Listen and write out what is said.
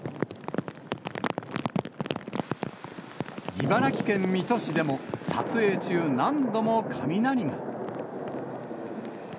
茨城県水戸市でも、撮影中、何度も雷が。